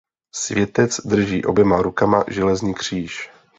Světec drží oběma rukama železný kříž.